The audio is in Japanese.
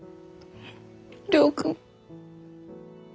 亮君。